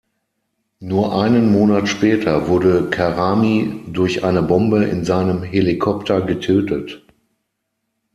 Nur einen Monat später wurde Karami durch eine Bombe in seinem Helikopter getötet.